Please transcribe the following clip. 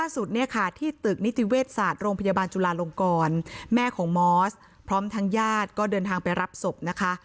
สุดเนี่ยค่ะที่ตึกนิติเวชศาสตร์โรงพยาบาลจุลาลงกรแม่ของมอสพร้อมทางญาติก็เดินทางไปรับศพนะคะ